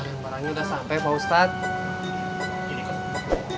yang barangnya sudah sampai pak ustadz